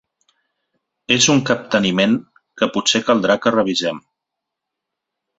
És un capteniment que potser caldrà que revisem.